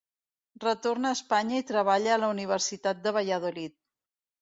Retorna a Espanya i treballa a la Universitat de Valladolid.